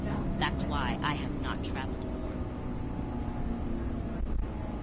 (That's why I have not travelled more.)